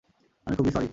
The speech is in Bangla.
আমি খুবই সরি!